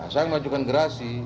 saya menunjukkan gerasi